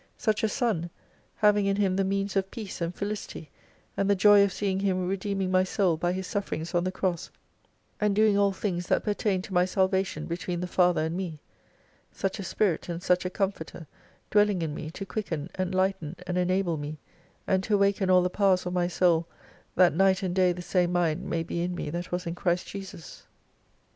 Such a Son, having in Him the means of peace and felicity, and the joy of seeing Him redeeming my soul, by His sufferings on the cross, and doing all things that 73 pertain to my salvation between the Father and mc : Such a Spirit and such a Comforter dwelling in me to quicken, cnhghten, and enable me, and to awaken all the powders of my soul that night and day the same mind may be in me that was in Christ Jesus